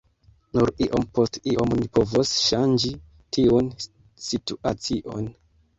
Nur iom post iom ni povos ŝanĝi tiun situacion.